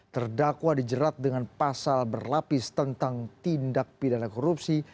terdakwa dijerat dengan pasal berlapis tentang tindak pidana korupsi